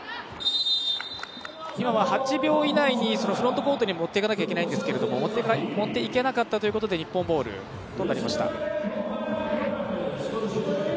今は８秒以内にフロントコートに持っていかなくちゃいけないんですけど持っていけなかったということで日本ボールとなりました。